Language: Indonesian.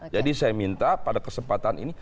jadi saya minta pada kesempatan ini